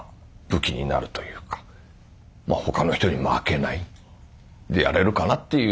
武器になるというか他の人に負けないでやれるかなっていう。